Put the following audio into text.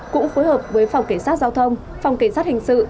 cũng phối hợp với phòng kể sát giao thông phòng kể sát hình sự